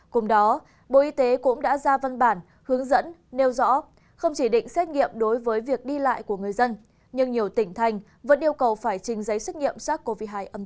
cùng đó bộ y tế cũng đã ra văn bản hướng dẫn nêu rõ không chỉ định xét nghiệm đối với việc đi lại của người dân nhưng nhiều tỉnh thành vẫn yêu cầu phải trình giấy xét nghiệm sars cov hai